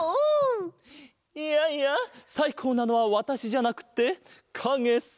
いやいやさいこうなのはわたしじゃなくってかげさ！